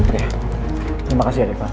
ya terima kasih ya riva